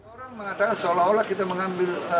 orang mengatakan seolah olah kita mengambil